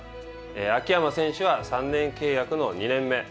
秋山選手は、３年契約の２年目。